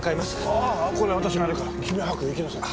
ああこれは私がやるから君は早く行きなさい。